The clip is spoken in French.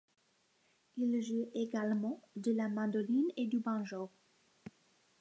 Il joue également de la mandoline et du banjo.